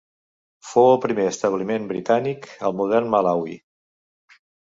Fou el primer establiment britànic al modern Malawi.